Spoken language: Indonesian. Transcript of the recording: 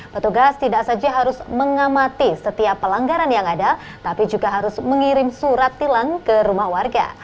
petugas tidak saja harus mengamati setiap pelanggaran yang ada tapi juga harus mengirim surat tilang ke rumah warga